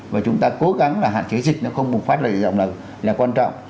và chúng ta cố gắng là hạn chế dịch nó không bùng phát là quan trọng